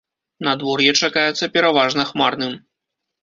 Надвор'е чакаецца пераважна хмарным.